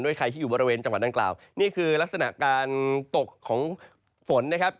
ใครที่อยู่บริเวณจังหวัดดังกล่าวนี่คือลักษณะการตกของฝนนะครับ